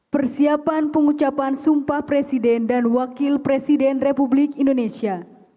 persiapan pengucapan sumpah presiden dan wakil presiden republik indonesia